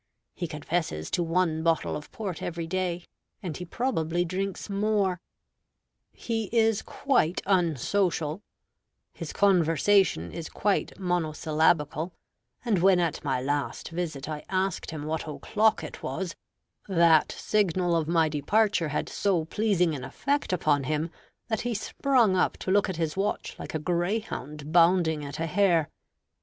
He confesses to one bottle of port every day, and he probably drinks more. He is quite unsocial; his conversation is quite monosyllabical; and when at my last visit I asked him what o'clock it was, that signal of my departure had so pleasing an effect upon him that he sprung up to look at his watch like a greyhound bounding at a hare."